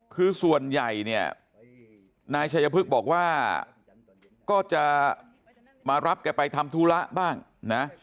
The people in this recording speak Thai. คือส่วนใหญ่เนี่ยนายชัยพฤกษ์บอกว่าก็จะมารับแกไปทำธุระบ้างนะ